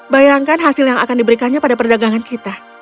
bayangkan hasil yang akan diberikannya pada perdagangan kita